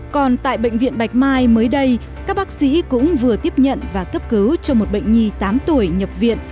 còn tại bệnh viện bạch mai mới đây các bác sĩ cũng vừa tiếp nhận và cấp cứu cho một bệnh nhi tám tuổi nhập viện